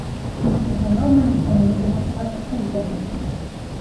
Имтихан алмайынса мине бынан сығармаҫҡа итәһең!